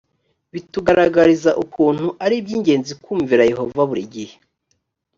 bitugaragariza ukuntu ari iby ingenzi kumvira yehova buri gihe